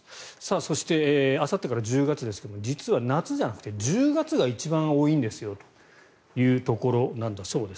そして、あさってから１０月ですが実は夏じゃなくて１０月が一番多いんですよというところなんだそうです。